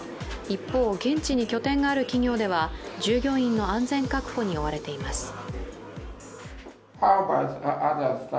一方、現地に拠点がある企業では従業員の安全確保に追われています。